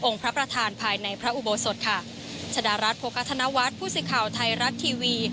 องค์พระประธานภายในพระอุโบสถค่ะชดารัฐพวกธนวัตรพูดสิกข่าวไทยรัฐทีวี